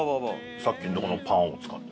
さっきのとこのパンを使った。